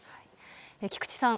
菊地さん